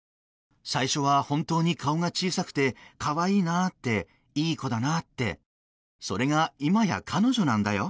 最初は本当に顔が小さくて可愛いなっていい子だなってそれが今や彼女なんだよ？